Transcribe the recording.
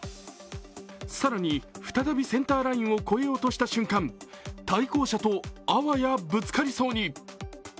更に、再びセンターラインを越えようとした瞬間、対向車と、あわやぶつかりそうに。